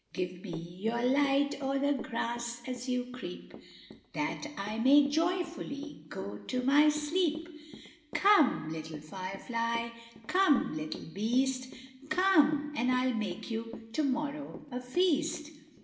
= ```Give me your light o'er the grass as you creep, ```That I may joyfully go to my sleep; ```Come, little fire fly, come little beast, ```Come! and I'll make you to morrow a feast.